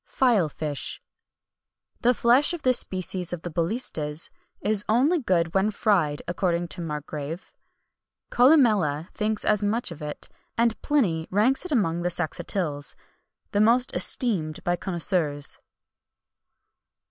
FILE FISH. The flesh of this species of the bulistes is only good when fried, according to Marcgrave. Columella thinks much of it,[XXI 199] and Pliny ranks it among the saxatiles, the most esteemed by connoisseurs.